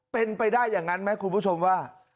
เป็นไปได้อย่างนั้นไหมคุณผู้ชมว่า